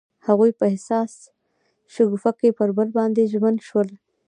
هغوی په حساس شګوفه کې پر بل باندې ژمن شول.